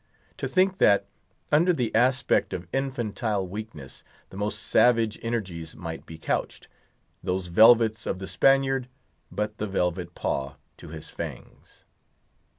To think that, under the aspect of infantile weakness, the most savage energies might be couched—those velvets of the Spaniard but the silky paw to his fangs.